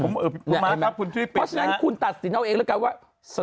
เพราะฉะนั้นคุณตัดสินเอาเองแล้วกันว่า